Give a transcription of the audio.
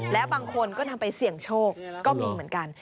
แล้วบางคนก็นำไปเสี่ยงโชคก็มีเหมือนกัน